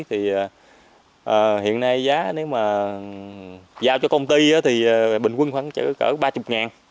thì hiện nay giá nếu mà giao cho công ty thì bình quân khoảng chữ cỡ ba mươi ngàn